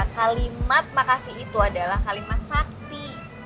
kalimat makasih itu adalah kalimat sakti